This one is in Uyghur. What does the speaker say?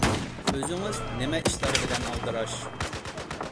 ئۆزىڭىز نېمە ئىشلار بىلەن ئالدىراش؟